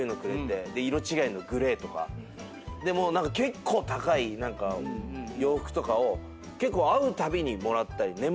で色違いのグレーとか。何か結構高い洋服とかを会うたびにもらったり。